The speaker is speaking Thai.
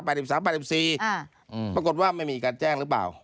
ปรากฏว่าไม่มีการแจ้งหรือเปล่า